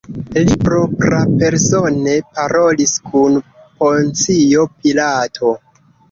Li proprapersone parolis kun Poncio Pilato.